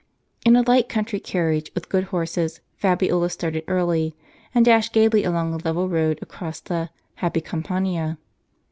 In a light country carriage, with good horses, Fabiola started early, and dashed gaily along the level road across the " happy Campania."